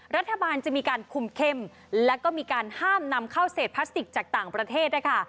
รัฐบาลจะมีการคุมเข้มแล้วก็มีการห้ามนำเข้าเศษพลาสติกจากต่างประเทศนะคะ